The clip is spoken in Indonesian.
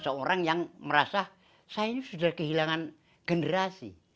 seorang yang merasa saya ini sudah kehilangan generasi